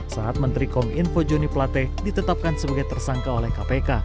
saat menteri kom info joni plate ditetapkan sebagai tersangka oleh kpk